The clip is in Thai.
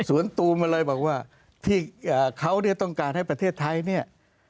สวนตูมมาเลยบอกว่าที่เขาเนี่ยต้องการให้ประเทศไทยเนี่ย